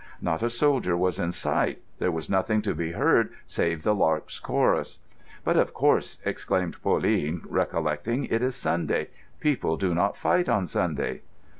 Not a soldier was in sight. There was nothing to be heard save the larks' chorus. "But, of course," exclaimed Pauline, recollecting, "it is Sunday. People do not fight on Sunday."